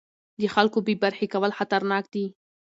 د خلکو بې برخې کول خطرناک دي